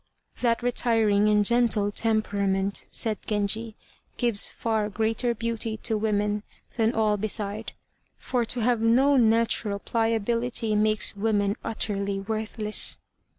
"That retiring and gentle temperament," said Genji, "gives far greater beauty to women than all beside, for to have no natural pliability makes women utterly worthless."